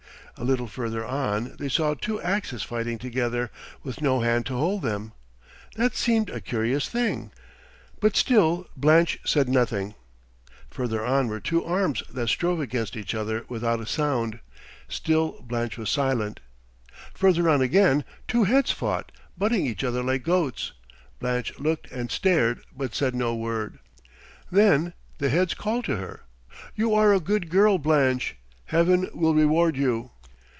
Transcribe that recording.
A little further on they saw two axes fighting together with no hand to hold them. That seemed a curious thing, but still Blanche said nothing. Further on were two arms that strove against each other without a sound. Still Blanche was silent. Further on again two heads fought, butting each other like goats. Blanche looked and stared but said no word. Then the heads called to her. "You are a good girl, Blanche. Heaven will reward you."